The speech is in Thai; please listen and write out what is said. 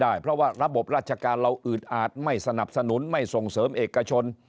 เพราะว่าระบบราชการเราอืดอาจไม่สนับสนุนไม่ส่งเสริมเอกชน